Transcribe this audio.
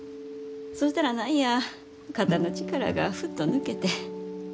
そしたら何や肩の力がフッと抜けて。